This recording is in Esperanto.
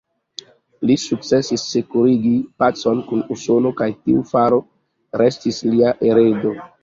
Li sukcesis sekurigi pacon kun Usono kaj tiu faro restis lia heredo.